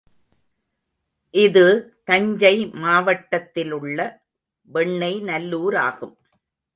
இது, தஞ்சை மாவட்டத்திலுள்ள வெண்ணெய் நல்லூராகும்.